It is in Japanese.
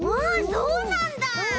そうなんだ。